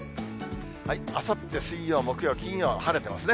あさって水曜、木曜、金曜は晴れてますね。